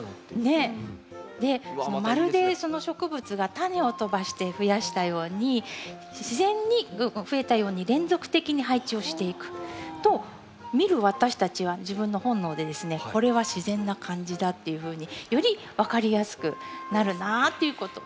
でまるでその植物がタネを飛ばしてふやしたように自然にふえたように連続的に配置をしていくと見る私たちは自分の本能でですねこれは自然な感じだっていうふうにより分かりやすくなるなぁっていうこと。